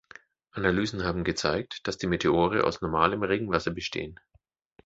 Analysen haben gezeigt, dass die Meteore aus normalem Regenwasser bestehen.